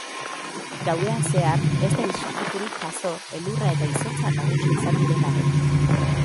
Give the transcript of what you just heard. Gauean zehar ez da istripurik jazo elurra eta izotza nagusi izan diren arren.